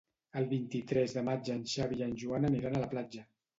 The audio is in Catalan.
El vint-i-tres de maig en Xavi i en Joan aniran a la platja.